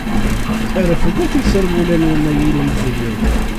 Refdet iserwula-nwen, ay ilmeẓyen!